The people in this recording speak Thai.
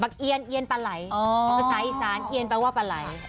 บักเอียนเอียนปลาไหล่สายสารเอียนแปลว่าปลาไหล่